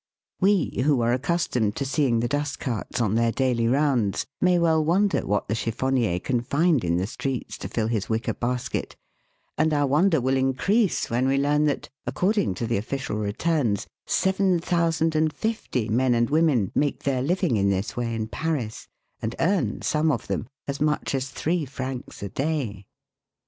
We, who are accustomed to seeing the dust carts on their daily rounds, may well wonder what the chiffonnier can find in the streets to fill his wicker basket, and our wonder will increase when we learn that, according to the official returns, 7,050 men and women make their living in this way in Paris, and earn, some of them, as much as three francs a day.